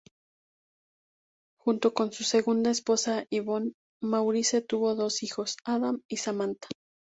Junto con su segunda esposa Yvonne, Maurice tuvo dos hijos: Adam y Samantha.